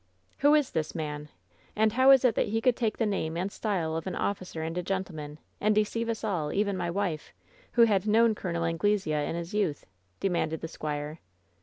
"Who is this man? And how is it that he could take the name and style of an officer and a gentleman, and deceive us all, even my wife, who had known Col. An glesea in his youth?" demanded the squire.